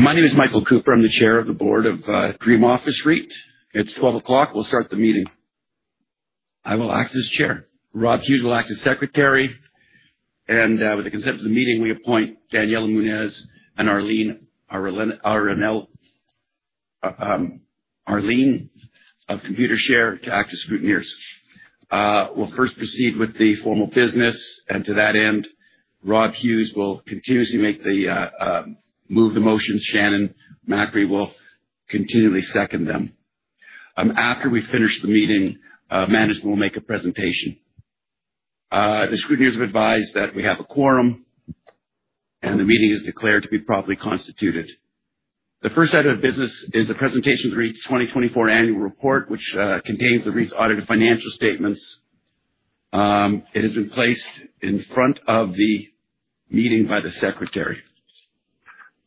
My name is Michael Cooper. I'm the chair of the Board of Dream Office REIT. It's 12:00P.M. We'll start the meeting. I will act as chair. Rob Hughes will act as Secretary. With the consent of the meeting, we appoint Daniela Muniz and Arlene of Computershare to act as Scrutineers. We'll first proceed with the formal business. To that end, Rob Hughes will continuously make the motions. Shannon McRae will continually second them. After we finish the meeting, management will make a presentation. The Scrutineers have advised that we have a quorum, and the meeting is declared to be properly constituted. The first item of business is the presentation of the REIT's 2024 annual report, which contains the REIT's audited financial statements. It has been placed in front of the meeting by the Secretary.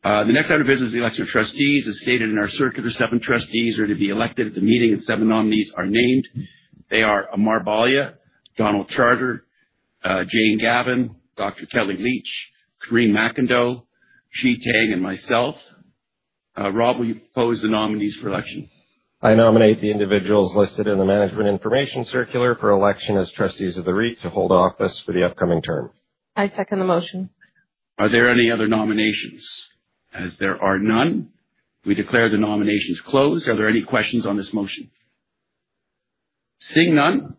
The next item of business is the election of trustees. As stated in our circular, seven trustees are to be elected at the meeting, and seven nominees are named. They are Amar Balya, Donald Charter, Jane Gavan, Dr. Kellie Leitch, Karine MacIndoe, Qi Tang, and myself. Rob, will you propose the nominees for election?. I nominate the individuals listed in the management information circular for election as trustees of the REIT to hold office for the upcoming term. I second the motion. Are there any other nominations? As there are none, we declare the nominations closed. Are there any questions on this motion? Seeing none,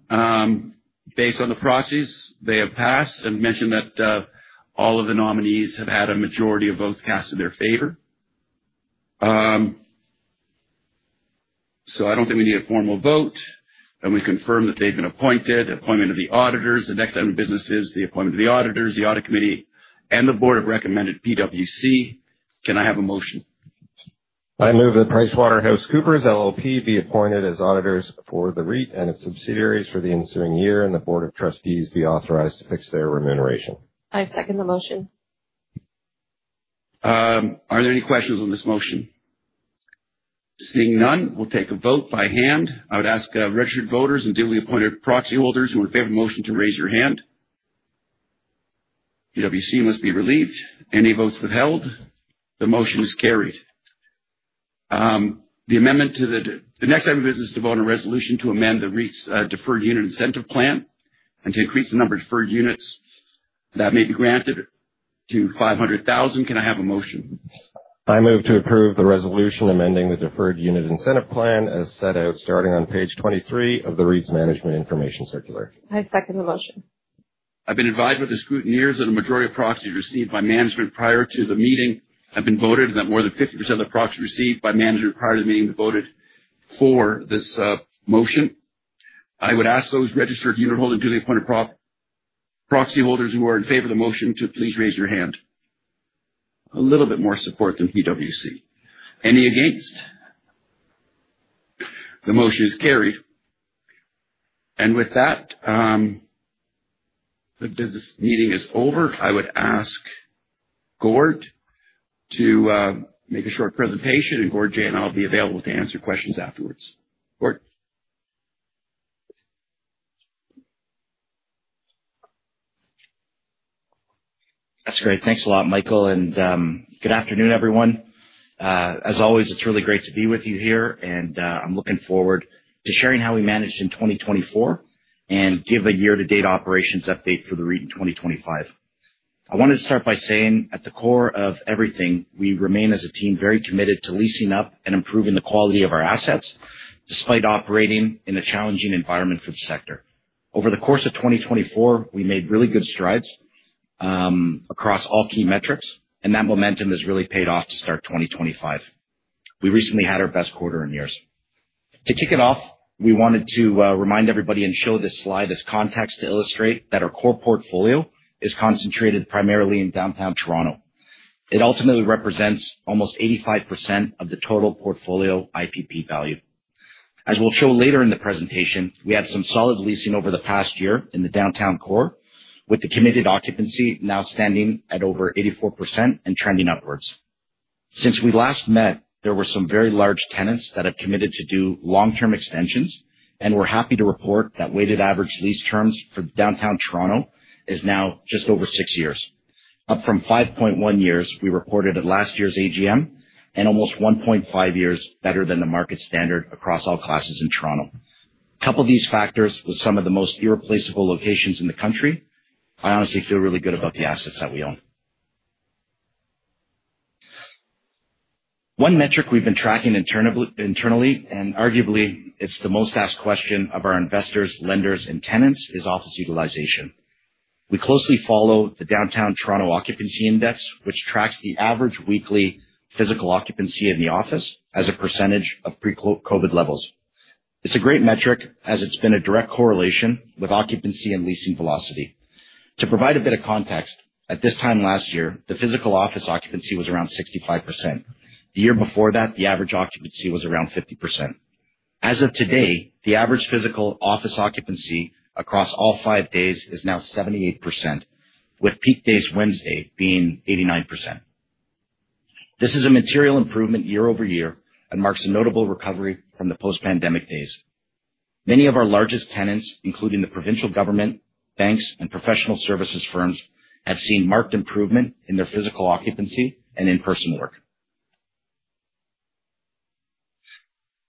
based on the process, they have passed. I mentioned that all of the nominees have had a majority of votes cast in their favor. I do not think we need a formal vote. We confirm that they have been appointed. Appointment of the auditors. The next item of business is the appointment of the auditors. The audit committee and the board have recommended PwC, Can I have a motion? I move that PricewaterhouseCoopers LLP be appointed as auditors for the REIT and its subsidiaries for the ensuing year, and the board of trustees be authorized to fix their remuneration. I second the motion. Are there any questions on this motion?, Seeing none, we'll take a vote by hand. I would ask registered voters and duly appointed proxy holders who are in favor of the motion to raise your hand. PwC must be relieved. Any votes withheld?, The motion is carried. The next item of business is to vote on a resolution to amend the REIT's deferred unit incentive plan and to increase the number of deferred units that may be granted to 500,000. Can I have a motion?. I move to approve the resolution amending the deferred unit incentive plan as set out starting on page 23 of the REIT's management information circular. I second the motion. I've been advised by the scrutineers that a majority of proxies received by management prior to the meeting have been voted, and that more than 50% of the proxies received by management prior to the meeting voted for this motion. I would ask those registered unit holders and duly appointed proxy holders who are in favor of the motion to please raise your hand. A little bit more support than PWC. Any against? The motion is carried. With that, the business meeting is over. I would ask Gord to make a short presentation, and Gord, Jay, and I'll be available to answer questions afterwards. Gord. That's great. Thanks a lot, Michael. Good afternoon, everyone. As always, it's really great to be with you here. I'm looking forward to sharing how we managed in 2024 and give a year-to-date operations update for the REIT in 2025. I wanted to start by saying at the core of everything, we remain as a team very committed to leasing up and improving the quality of our assets despite operating in a challenging environment for the sector. Over the course of 2024, we made really good strides across all key metrics, and that momentum has really paid off to start 2025. We recently had our best quarter in years. To kick it off, we wanted to remind everybody and show this slide as context to illustrate that our core portfolio is concentrated primarily in downtown Toronto. It ultimately represents almost 85% of the total portfolio IPP value. As we'll show later in the presentation, we had some solid leasing over the past year in the downtown core, with the committed occupancy now standing at over 84% and trending upwards. Since we last met, there were some very large tenants that have committed to do long-term extensions, and we're happy to report that weighted average lease terms for downtown Toronto is now just over six years, up from 5.1 years we reported at last year's AGM and almost 1.5 years better than the market standard across all classes in Toronto. A couple of these factors with some of the most irreplaceable locations in the country. I honestly feel really good about the assets that we own. One metric we've been tracking internally, and arguably it's the most asked question of our investors, lenders, and tenants, is office utilization. We closely follow the Downtown Toronto Occupancy Index, which tracks the average weekly physical occupancy in the office as a percentage of pre-COVID levels. It's a great metric as it's been a direct correlation with occupancy and leasing velocity. To provide a bit of context, at this time last year, the physical office occupancy was around 65%. The year before that, the average occupancy was around 50%. As of today, the average physical office occupancy across all five days is now 78%, with peak days Wednesday being 89%. This is a material improvement year over year and marks a notable recovery from the post-pandemic days. Many of our largest tenants, including the provincial government, banks, and professional services firms, have seen marked improvement in their physical occupancy and in-person work.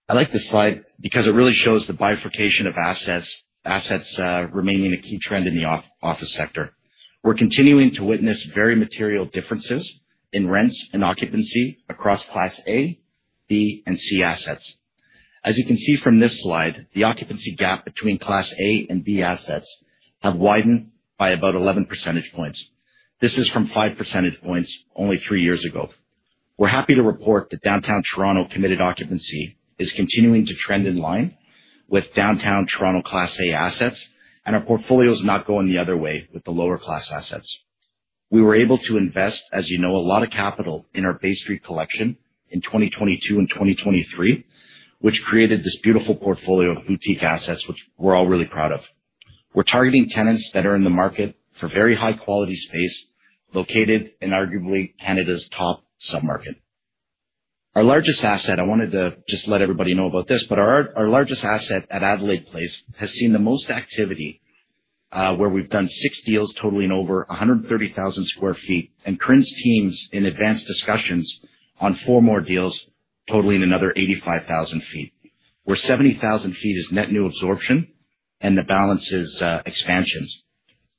I like this slide because it really shows the bifurcation of assets remaining a key trend in the office sector. We're continuing to witness very material differences in rents and occupancy across Class A, B, and C assets. As you can see from this slide, the occupancy gap between Class A and B assets has widened by about 11 percentage points. This is from five percentage points only three years ago. We're happy to report that downtown Toronto committed occupancy is continuing to trend in line with downtown Toronto Class A assets, and our portfolio is not going the other way with the lower-class assets. We were able to invest, as you know, a lot of capital in our Bay Street collection in 2022 and 2023, which created this beautiful portfolio of boutique assets, which we're all really proud of. We're targeting tenants that are in the market for very high-quality space located in arguably Canada's top submarket. Our largest asset, I wanted to just let everybody know about this, but our largest asset at Adelaide Place has seen the most activity where we've done six deals totaling over 130,000 sq ft and Krinz teams in advanced discussions on four more deals totaling another 85,000 ft, where 70,000 ft is net new absorption and the balance is expansions.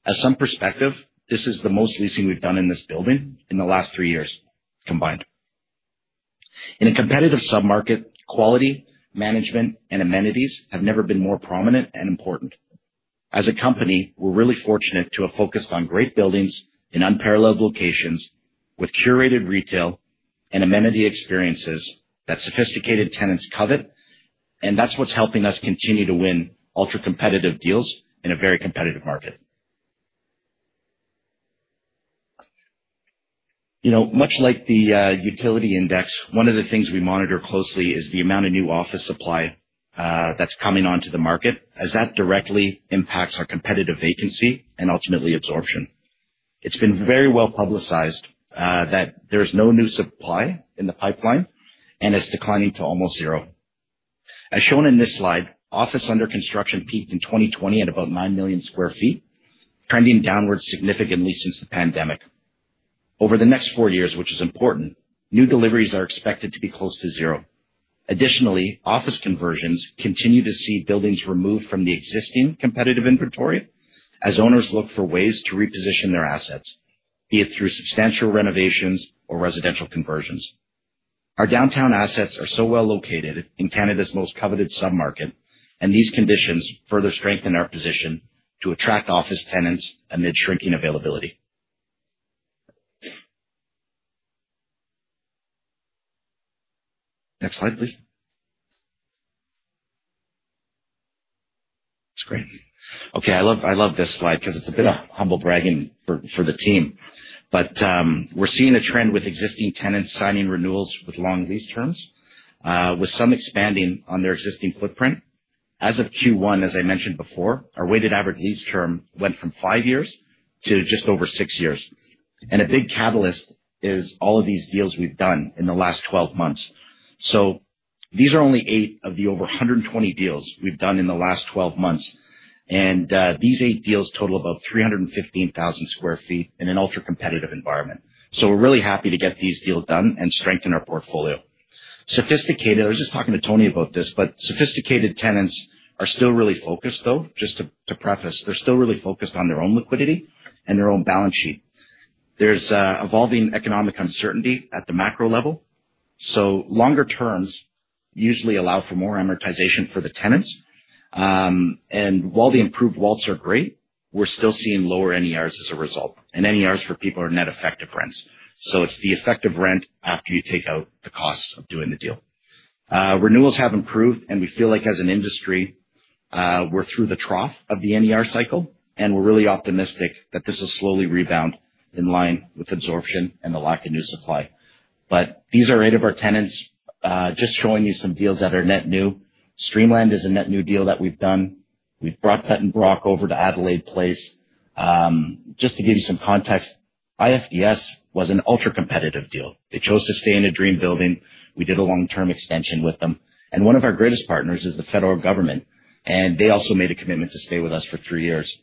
As some perspective, this is the most leasing we've done in this building in the last three years combined. In a competitive submarket, quality, management, and amenities have never been more prominent and important. As a company, we're really fortunate to have focused on great buildings in unparalleled locations with curated retail and amenity experiences that sophisticated tenants covet, and that's what's helping us continue to win ultra-competitive deals in a very competitive market. Much like the utility index, one of the things we monitor closely is the amount of new office supply that is coming onto the market, as that directly impacts our competitive vacancy and ultimately absorption. It has been very well publicized that there is no new supply in the pipeline and is declining to almost zero. As shown in this slide, office under construction peaked in 2020 at about 9 million sq ft, trending downward significantly since the pandemic. Over the next four years, which is important, new deliveries are expected to be close to zero. Additionally, office conversions continue to see buildings removed from the existing competitive inventory as owners look for ways to reposition their assets, be it through substantial renovations or residential conversions. Our downtown assets are so well located in Canada's most coveted submarket, and these conditions further strengthen our position to attract office tenants amid shrinking availability. Next slide, please. That's great. Okay, I love this slide because it's a bit of humble bragging for the team. But we're seeing a trend with existing tenants signing renewals with long lease terms, with some expanding on their existing footprint. As of Q1, as I mentioned before, our weighted average lease term went from five years to just over six years. A big catalyst is all of these deals we've done in the last 12 months. These are only eight of the over 120 deals we've done in the last 12 months. These eight deals total about 315,000 sq ft in an ultra-competitive environment. We're really happy to get these deals done and strengthen our portfolio. I was just talking to Tony about this, but sophisticated tenants are still really focused, though, just to preface, they're still really focused on their own liquidity and their own balance sheet. There is evolving economic uncertainty at the macro level. Longer terms usually allow for more amortization for the tenants. While the improved WALTs are great, we're still seeing lower NERs as a result, and NERs for people are net effective rents. It is the effective rent after you take out the cost of doing the deal. Renewals have improved, and we feel like as an industry, we're through the trough of the NER cycle, and we're really optimistic that this will slowly rebound in line with absorption and the lack of new supply. These are eight of our tenants, just showing you some deals that are net new. Streamland is a net new deal that we've done. We've brought Vanderbrand over to Adelaide Place. Just to give you some context, IFDS was an ultra-competitive deal. They chose to stay in a Dream building. We did a long-term extension with them. One of our greatest partners is the federal government, and they also made a commitment to stay with us for three years.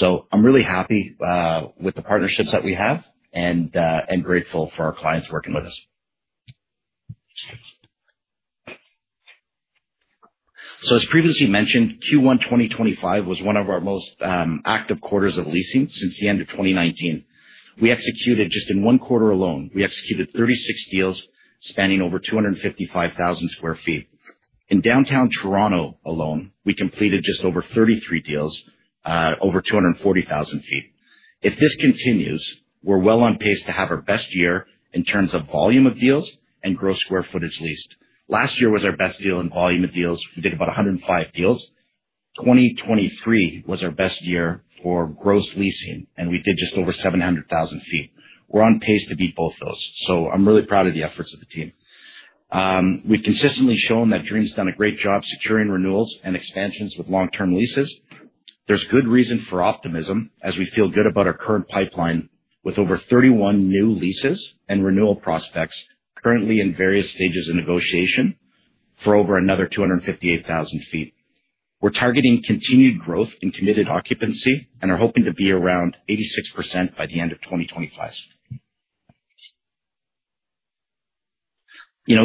I'm really happy with the partnerships that we have and grateful for our clients working with us. As previously mentioned, Q1 2025 was one of our most active quarters of leasing since the end of 2019. We executed, just in one quarter alone, 36 deals spanning over 255,000 sq ft. In downtown Toronto alone, we completed just over 33 deals over 240,000 sq ft. If this continues, we're well on pace to have our best year in terms of volume of deals and gross square footage leased. Last year was our best year in volume of deals. We did about 105 deals. 2023 was our best year for gross leasing, and we did just over 700,000 sq ft. We're on pace to beat both those. I'm really proud of the efforts of the team. We've consistently shown that Dream has done a great job securing renewals and expansions with long-term leases. There's good reason for optimism as we feel good about our current pipeline with over 31 new leases and renewal prospects currently in various stages of negotiation for over another 258,000 sq ft. We're targeting continued growth in committed occupancy and are hoping to be around 86% by the end of 2025.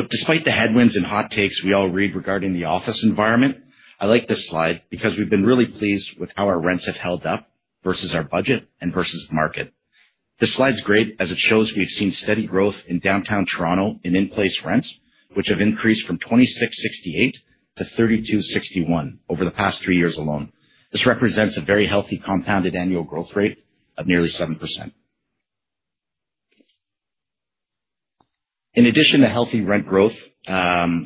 Despite the headwinds and hot takes we all read regarding the office environment, I like this slide because we've been really pleased with how our rents have held up versus our budget and versus market. This slide's great as it shows we've seen steady growth in downtown Toronto in in-place rents, which have increased from 2,668 to 3,261 over the past three years alone. This represents a very healthy compounded annual growth rate of nearly 7%. In addition to healthy rent growth,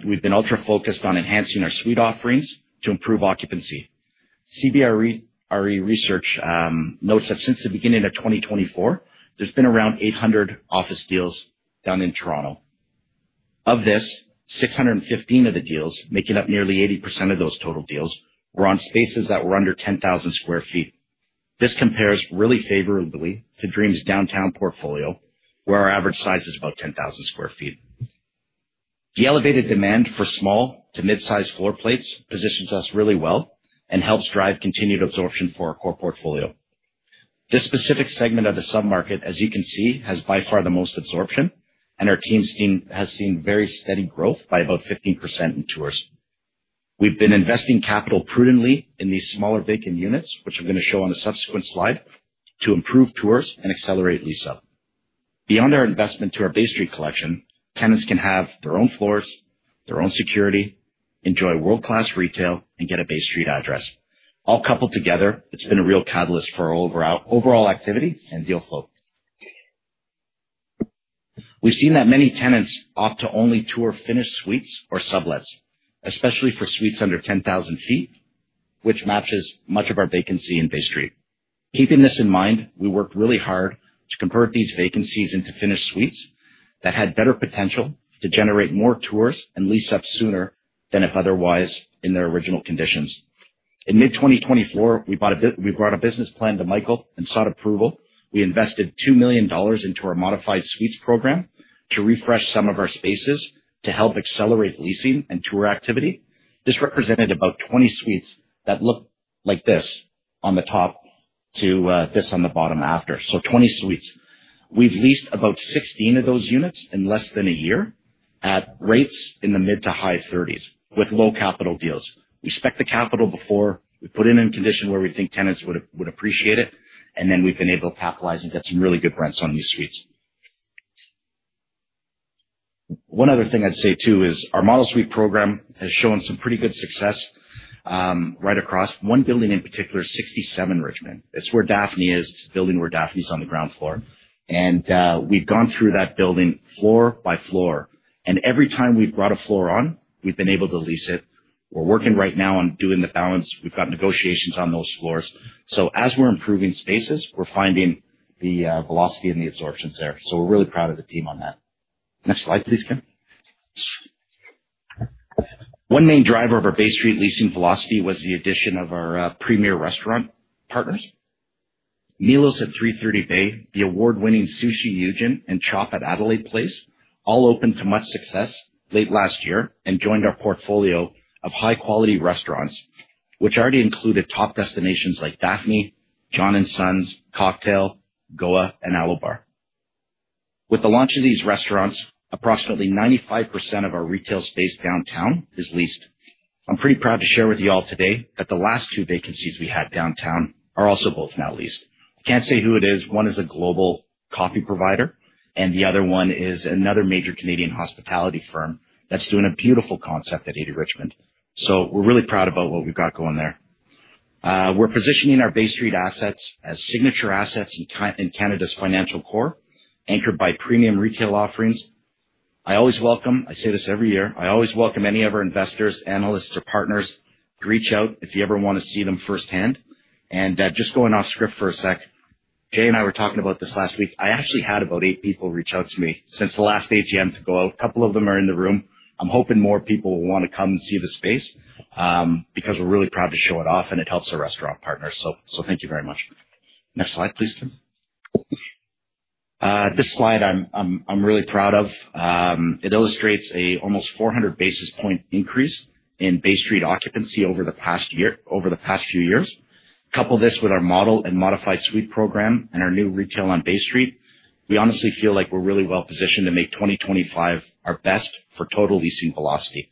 we've been ultra-focused on enhancing our suite offerings to improve occupancy. CBRE Research notes that since the beginning of 2024, there's been around 800 office deals done in Toronto. Of this, 615 of the deals, making up nearly 80% of those total deals, were on spaces that were under 10,000 sq ft. This compares really favorably to Dream's downtown portfolio, where our average size is about 10,000 sq ft. The elevated demand for small to mid-size floor plates positions us really well and helps drive continued absorption for our core portfolio. This specific segment of the submarket, as you can see, has by far the most absorption, and our team has seen very steady growth by about 15% in tours. We've been investing capital prudently in these smaller vacant units, which I'm going to show on a subsequent slide, to improve tours and accelerate lease-up. Beyond our investment to our Bay Street collection, tenants can have their own floors, their own security, enjoy world-class retail, and get a Bay Street address. All coupled together, it's been a real catalyst for our overall activity and deal flow. We've seen that many tenants opt to only tour finished suites or sublets, especially for suites under 10,000 sq ft, which matches much of our vacancy in Bay Street. Keeping this in mind, we worked really hard to convert these vacancies into finished suites that had better potential to generate more tours and lease-up sooner than if otherwise in their original conditions. In mid-2024, we brought a business plan to Michael and sought approval. We invested 2 million dollars into our modified suites program to refresh some of our spaces to help accelerate leasing and tour activity. This represented about 20 suites that look like this on the top to this on the bottom after. So 20 suites. We've leased about 16 of those units in less than a year at rates in the mid to high 30s with low capital deals. We spec the capital before. We put it in condition where we think tenants would appreciate it, and then we've been able to capitalize and get some really good rents on these suites. One other thing I'd say too is our model suite program has shown some pretty good success right across. One building in particular, 67 Richmond. It's where Daphne is. It's a building where Daphne's on the ground floor. We've gone through that building floor by floor. Every time we've brought a floor on, we've been able to lease it. We're working right now on doing the balance. We've got negotiations on those floors. As we're improving spaces, we're finding the velocity and the absorptions there. We're really proud of the team on that. Next slide, please, Kim. One main driver of our Bay Street leasing velocity was the addition of our premier restaurant partners. Milos at 330 Bay, the award-winning Sushi Yugen and Chop at Adelaide Place, all opened to much success late last year and joined our portfolio of high-quality restaurants, which already included top destinations like Daphne, John & Sons, Cocktail, Goa, and Alobar. With the launch of these restaurants, approximately 95% of our retail space downtown is leased. I'm pretty proud to share with you all today that the last two vacancies we had downtown are also both now leased. I can't say who it is. One is a global coffee provider, and the other one is another major Canadian hospitality firm that's doing a beautiful concept at 80 Richmond. We are really proud about what we've got going there. We are positioning our Bay Street assets as signature assets in Canada's financial core, anchored by premium retail offerings. I always welcome say this every year, i always welcome any of our investors, analysts, or partners to reach out if you ever want to see them firsthand. Just going off script for a sec, Jay and I were talking about this last week. I actually had about eight people reach out to me since the last AGM to go out. A couple of them are in the room. I am hoping more people will want to come and see the space because we are really proud to show it off, and it helps our restaurant partners. Thank you very much. Next slide, please, Kim. This slide I am really proud of. It illustrates an almost 400 basis point increase in Bay Street occupancy over the past few years. Couple this with our model and modified suite program and our new retail on Bay Street. We honestly feel like we're really well positioned to make 2025 our best for total leasing velocity.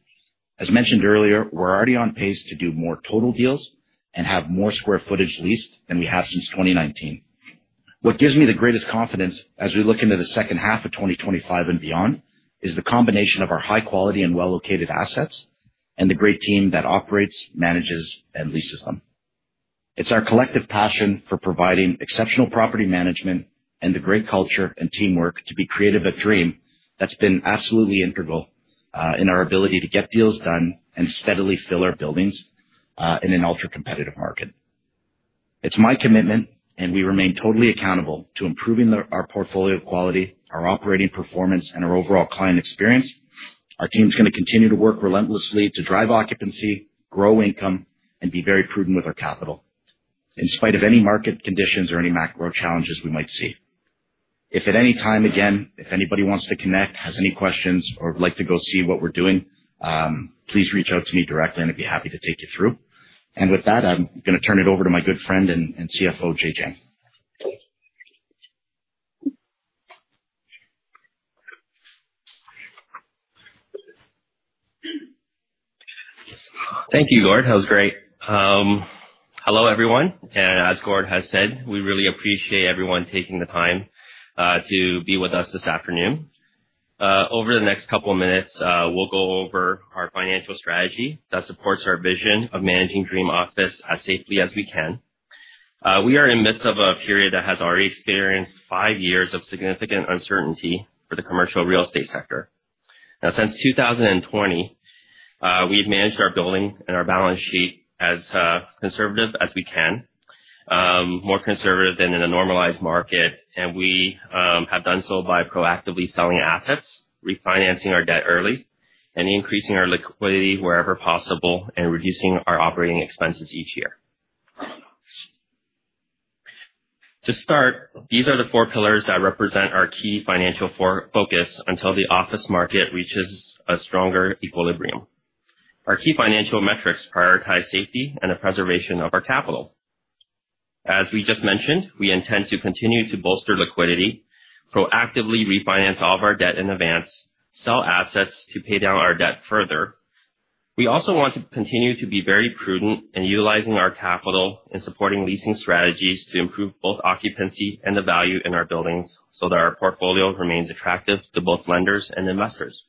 As mentioned earlier, we're already on pace to do more total deals and have more square footage leased than we have since 2019. What gives me the greatest confidence as we look into the second half of 2025 and beyond is the combination of our high-quality and well-located assets and the great team that operates, manages, and leases them. It's our collective passion for providing exceptional property management and the great culture and teamwork to be creative at Dream that's been absolutely integral in our ability to get deals done and steadily fill our buildings in an ultra-competitive market. It's my commitment, and we remain totally accountable to improving our portfolio quality, our operating performance, and our overall client experience. Our team's going to con1tinue to work relentlessly to drive occupancy, grow income, and be very prudent with our capital in spite of any market conditions or any macro challenges we might see. If at any time again, if anybody wants to connect, has any questions, or would like to go see what we're doing, please reach out to me directly, and I'd be happy to take you through. With that, I'm going to turn it over to my good friend and CFO, Jay Jiang. Thank you, Gord. That was great. Hello, everyone. As Gord has said, we really appreciate everyone taking the time to be with us this afternoon. Over the next couple of minutes, we'll go over our financial strategy that supports our vision of managing Dream Office as safely as we can. We are in the midst of a period that has already experienced five years of significant uncertainty for the commercial real estate sector. Now, since 2020, we've managed our building and our balance sheet as conservative as we can, more conservative than in a normalized market, and we have done so by proactively selling assets, refinancing our debt early, and increasing our liquidity wherever possible and reducing our operating expenses each year. To start, these are the four pillars that represent our key financial focus until the office market reaches a stronger equilibrium. Our key financial metrics prioritize safety and the preservation of our capital. As we just mentioned, we intend to continue to bolster liquidity, proactively refinance all of our debt in advance, sell assets to pay down our debt further. We also want to continue to be very prudent in utilizing our capital and supporting leasing strategies to improve both occupancy and the value in our buildings so that our portfolio remains attractive to both lenders and investors.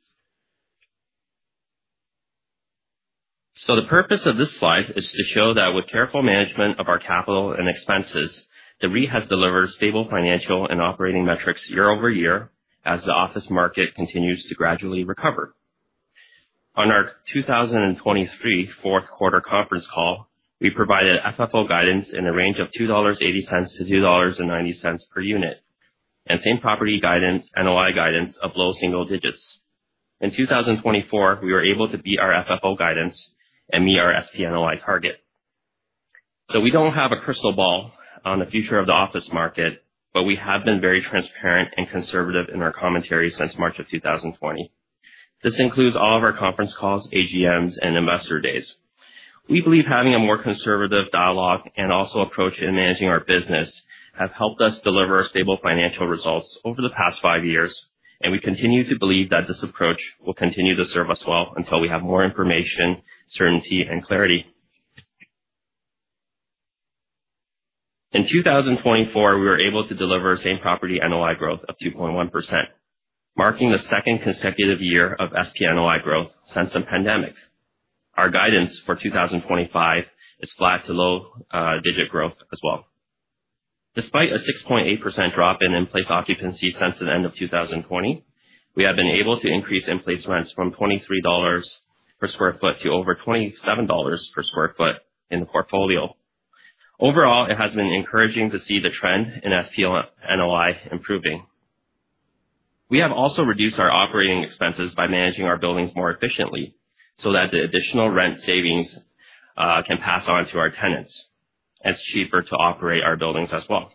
The purpose of this slide is to show that with careful management of our capital and expenses, the REIT has delivered stable financial and operating metrics year over year as the office market continues to gradually recover. On our 2023 fourth quarter conference call, we provided FFO guidance in the range of 2.80-2.90 dollars per unit and same property NOI guidance of low single digits. In 2024, we were able to beat our FFO guidance and meet our SP NOI target. We do not have a crystal ball on the future of the office market, but we have been very transparent and conservative in our commentary since March of 2020. This includes all of our conference calls, AGMs, and investor days. We believe having a more conservative dialogue and also approach in managing our business have helped us deliver stable financial results over the past five years, and we continue to believe that this approach will continue to serve us well until we have more information, certainty, and clarity. In 2024, we were able to deliver same property NOI growth of 2.1%, marking the second consecutive year of SP NOI growth since the pandemic. Our guidance for 2025 is flat to low-digit growth as well. Despite a 6.8% drop in in-place occupancy since the end of 2020, we have been able to increase in-place rents from 23 dollars per sq ft to over 27 dollars per sq ft in the portfolio. Overall, it has been encouraging to see the trend in SP NOI improving. We have also reduced our operating expenses by managing our buildings more efficiently so that the additional rent savings can pass on to our tenants. It is cheaper to operate our buildings as well.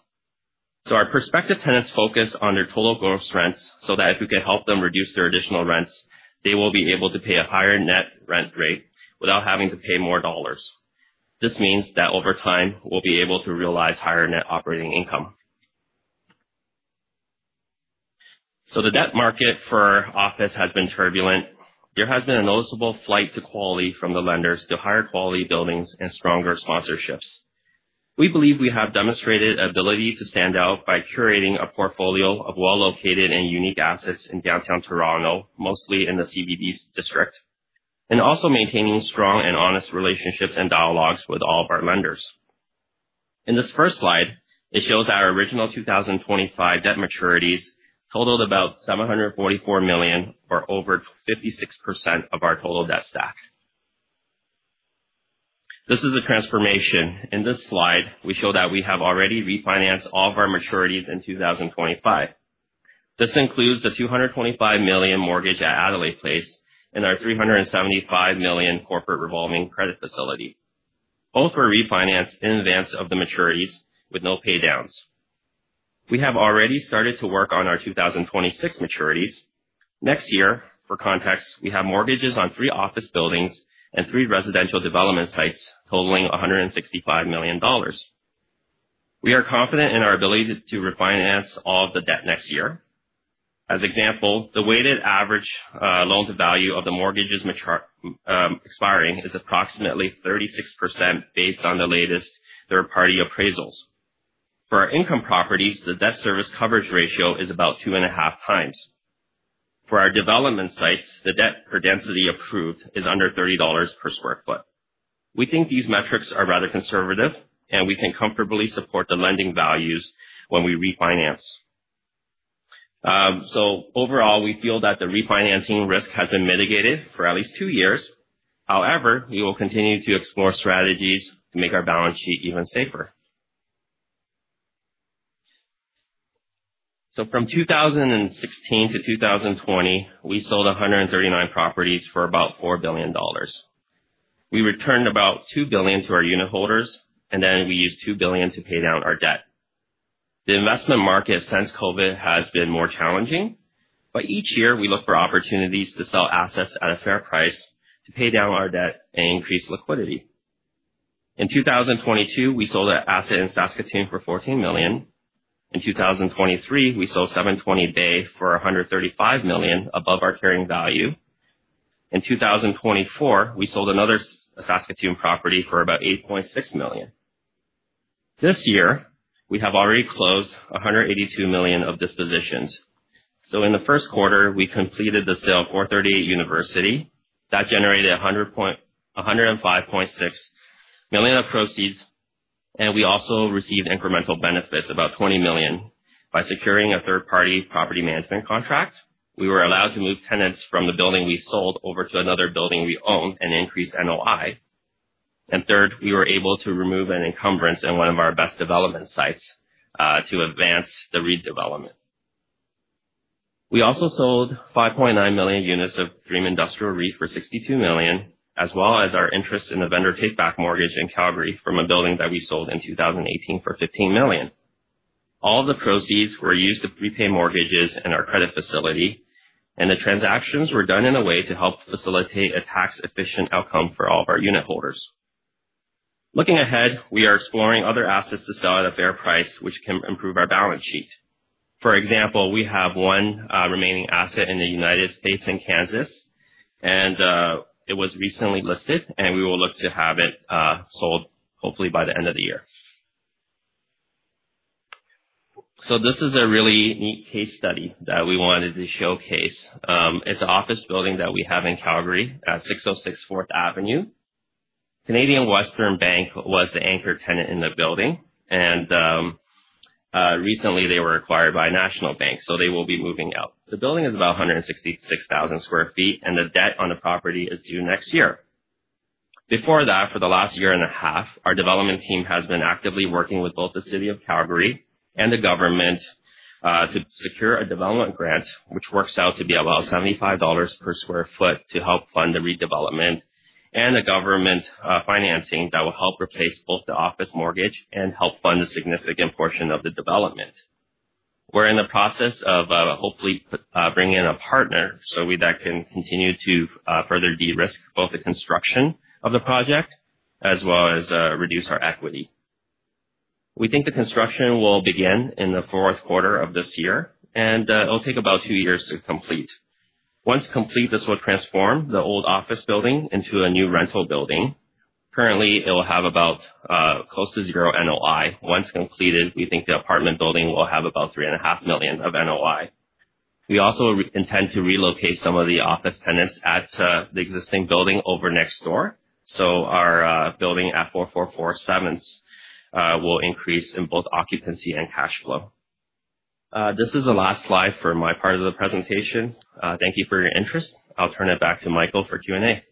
Our prospective tenants focus on their total gross rents so that if we can help them reduce their additional rents, they will be able to pay a higher net rent rate without having to pay more dollars. This means that over time, we will be able to realize higher net operating income. The debt market for office has been turbulent. There has been a noticeable flight to quality from the lenders to higher quality buildings and stronger sponsorships. We believe we have demonstrated the ability to stand out by curating a portfolio of well-located and unique assets in downtown Toronto, mostly in the CBD district, and also maintaining strong and honest relationships and dialogues with all of our lenders. In this first slide, it shows our original 2025 debt maturities totaled about 744 million, or over 56% of our total debt stack. This is a transformation. In this slide, we show that we have already refinanced all of our maturities in 2025. This includes the 225 million mortgage at Adelaide Place and our 375 million corporate revolving credit facility. Both were refinanced in advance of the maturities with no paydowns. We have already started to work on our 2026 maturities. Next year, for context, we have mortgages on three office buildings and three residential development sites totaling 165 million dollars. We are confident in our ability to refinance all of the debt next year. As an example, the weighted average loan-to-value of the mortgages expiring is approximately 36% based on the latest third-party appraisals. For our income properties, the debt service coverage ratio is about two and a half times. For our development sites, the debt per density approved is under 30 dollars per sq ft. We think these metrics are rather conservative, and we can comfortably support the lending values when we refinance. Overall, we feel that the refinancing risk has been mitigated for at least two years. However, we will continue to explore strategies to make our balance sheet even safer. From 2016 to 2020, we sold 139 properties for about 4 billion dollars. We returned about 2 billion to our unit holders, and then we used 2 billion to pay down our debt. The investment market since COVID has been more challenging, but each year we look for opportunities to sell assets at a fair price to pay down our debt and increase liquidity. In 2022, we sold an asset in Saskatoon for 14 million. In 2023, we sold 720 Bay for 135 million above our carrying value. In 2024, we sold another Saskatoon property for about 8.6 million. This year, we have already closed 182 million of dispositions. In the first quarter, we completed the sale of 438 University. That generated 105.6 million of proceeds, and we also received incremental benefits of about 20 million by securing a third-party property management contract. We were allowed to move tenants from the building we sold over to another building we own and increased NOI. Third, we were able to remove an encumbrance in one of our best development sites to advance the redevelopment. We also sold 5.9 million units of Dream Industrial REIT for 62 million, as well as our interest in the vendor take-back mortgage in Calgary from a building that we sold in 2018 for 15 million. All of the proceeds were used to prepay mortgages and our credit facility, and the transactions were done in a way to help facilitate a tax-efficient outcome for all of our unit holders. Looking ahead, we are exploring other assets to sell at a fair price, which can improve our balance sheet. For example, we have one remaining asset in the U.S. in Kansas, and it was recently listed, and we will look to have it sold hopefully by the end of the year. This is a really neat case study that we wanted to showcase. It's an office building that we have in Calgary at 606 4th Avenue. Canadian Western Bank was the anchor tenant in the building, and recently they were acquired by National Bank, so they will be moving out. The building is about 166,000 sq ft, and the debt on the property is due next year. Before that, for the last year and a half, our development team has been actively working with both the City of Calgary and the government to secure a development grant, which works out to be about 75 dollars per sq ft to help fund the redevelopment and the government financing that will help replace both the office mortgage and help fund a significant portion of the development. We're in the process of hopefully bringing in a partner so that can continue to further de-risk both the construction of the project as well as reduce our equity. We think the construction will begin in the fourth quarter of this year, and it'll take about two years to complete. Once complete, this will transform the old office building into a new rental building. Currently, it will have about close to zero NOI. Once completed, we think the apartment building will have about 3.5 million of NOI. We also intend to relocate some of the office tenants at the existing building over next door, so our building at 444 7th will increase in both occupancy and cash flow. This is the last slide for my part of the presentation. Thank you for your interest. I'll turn it back to Michael for Q&A.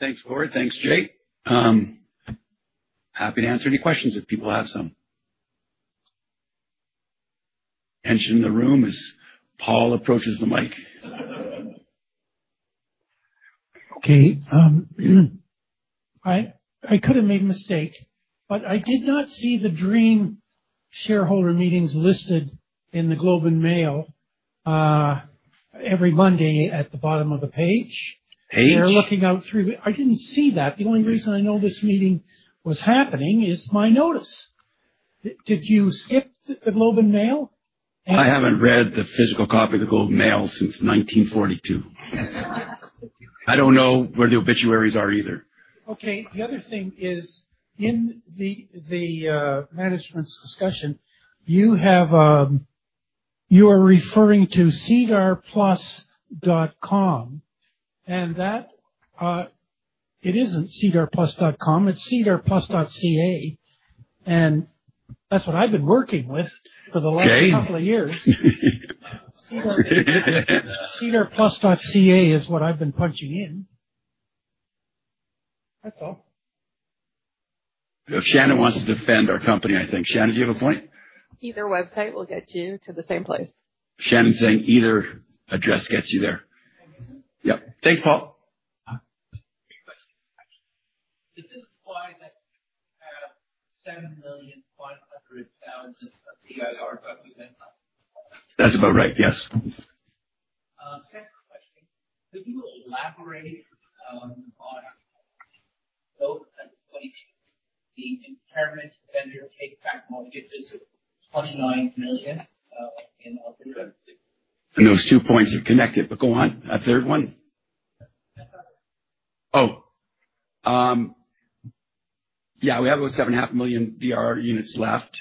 Thanks, Gord. Thanks, Jay. Happy to answer any questions if people have some. Attention in the room as Paul approaches the mic. Okay. I could have made a mistake, but I did not see the Dream shareholder meetings listed in the Globe and Mail every Monday at the bottom of the page. They're looking out through. I did not see that. The only reason I know this meeting was happening is my notice. Did you skip the Globe and Mail? I have not read the physical copy of the Globe and Mail since 1942. I do not know where the obituaries are either. Okay. The other thing is in the management's discussion, you are referring to sedarplus.com, and that it is not sedarplus.com. It is sedarplus.ca, and that is what I have been working with for the last couple of years. Sedarplus.ca is what I have been punching in. That is all. If Shannon wants to defend our company, I think. Shannon, do you have a point?. Either website will get you to the same place. Shannon's saying either address gets you there. Yep. Thanks, Paul. That's about right, yes. Those two points are connected, but go on. A third one? Oh. Yeah, we have about 7.5 million DIR units left.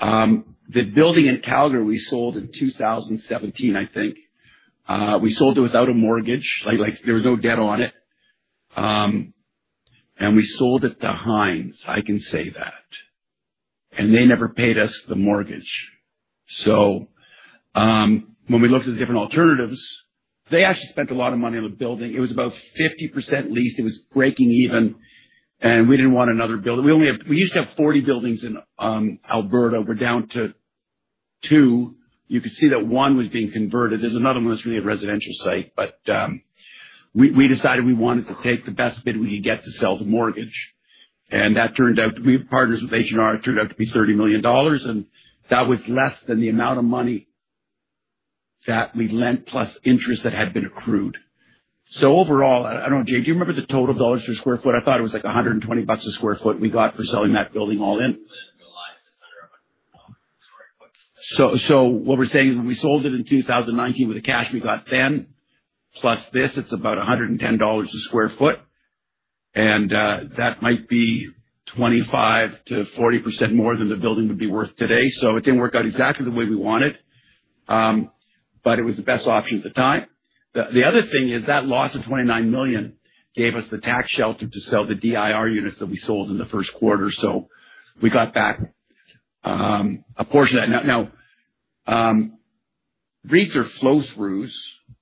The building in Calgary we sold in 2017, I think. We sold it without a mortgage. There was no debt on it, and we sold it to Hines. I can say that. And they never paid us the mortgage. When we looked at the different alternatives, they actually spent a lot of money on the building. It was about 50% leased. It was breaking even, and we didn't want another building. We used to have 40 buildings in Alberta. We're down to two. You could see that one was being converted. There's another one that's going to be a residential site, but we decided we wanted to take the best bid we could get to sell the mortgage. That turned out we partnered with H&R, it turned out to be 30 million dollars, and that was less than the amount of money that we lent plus interest that had been accrued. Overall, I don't know, Jay, do you remember the total dollars per sq ft? I thought it was like 120 bucks per sq ft we got for selling that building all in. What we're saying is when we sold it in 2019 with the cash we got then plus this, it's about 110 dollars a sq ft, and that might be 25-40% more than the building would be worth today. It didn't work out exactly the way we wanted, but it was the best option at the time. The other thing is that loss of 29 million gave us the tax shelter to sell the DIR units that we sold in the first quarter, so we got back a portion of that. Now, REITs are flow-throughs,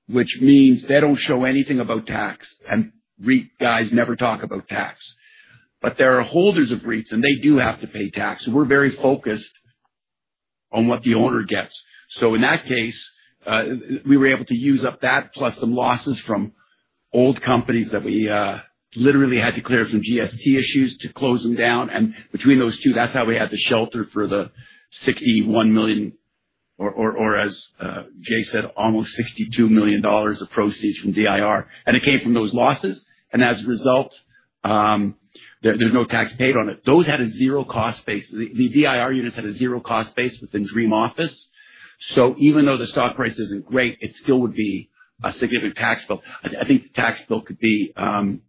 which means they don't show anything about tax, and REIT guys never talk about tax. There are holders of REITs, and they do have to pay tax. We're very focused on what the owner gets. In that case, we were able to use up that plus the losses from old companies that we literally had to clear from GST issues to close them down. Between those two, that's how we had the shelter for the 61 million, or as Jay said, almost 62 million dollars of proceeds from DIR. It came from those losses, and as a result, there's no tax paid on it. Those had a zero cost base. The DIR units had a zero cost base within Dream Office. Even though the stock price isn't great, it still would be a significant tax bill. I think the tax bill could be between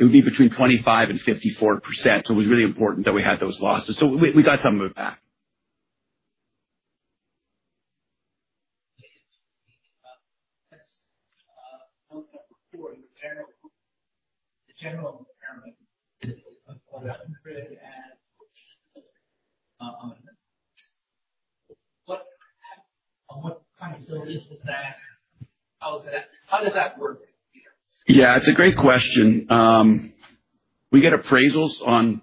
25% and 54%. It was really important that we had those losses. We got some of it back. Yeah, it's a great question. We get appraisals on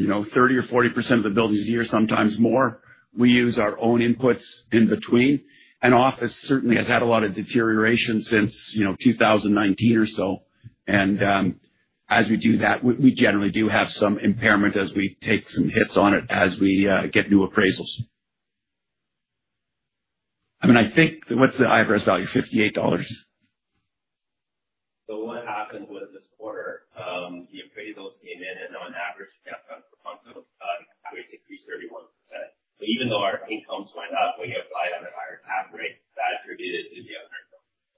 30% or 40% of the buildings a year, sometimes more. We use our own inputs in between. Office certainly has had a lot of deterioration since 2019 or so. As we do that, we generally do have some impairment as we take some hits on it as we get new appraisals. I mean, I think what's the IFRS value? CAD 58.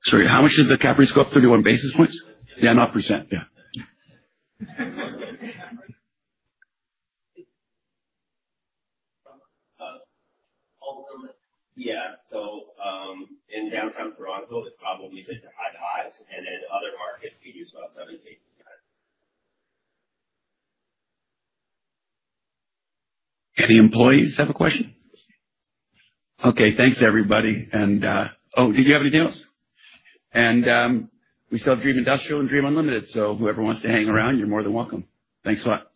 Sorry, how much did the cap rate go up? 31 basis points? Yeah, not percent. Yeah. Any employees have a question? Okay. Thanks, everybody. Oh, did you have anything else? We sell Dream Industrial and Dream Unlimited, so whoever wants to hang around, you're more than welcome. Thanks a lot.